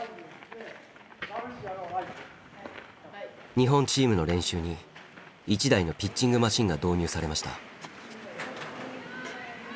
日本チームの練習に１台のピッチングマシンが導入されました。